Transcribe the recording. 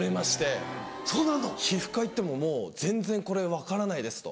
ウソそうなんの。皮膚科行ってももう「全然これ分からないです」と。